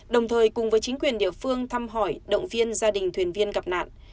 đồng thời cùng với chính quyền địa phương thăm hỏi động viên gia đình thuyền viên gặp nạn